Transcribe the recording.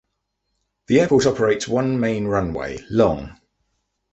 The airport operates one main runway, long.